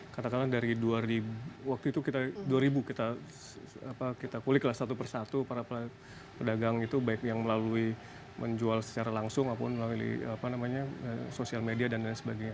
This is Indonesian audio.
katakanlah dari dua ribu waktu itu kita dua ribu kita apa kita kuliklah satu persatu para pedagang itu baik yang melalui menjual secara langsung ataupun melalui apa namanya sosial media dan lain sebagainya